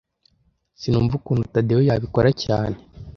Sinumva ukuntu Tadeyo yabikora cyane